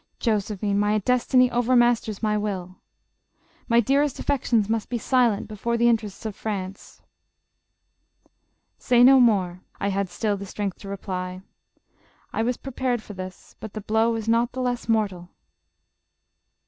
Josephine, my destiny overmasters my will. My dear est affections must be silent before the interests of France.' ' Say no more,' I had still strength to reply, 4 1 was prepared for this, but the blow is not the less mortal.'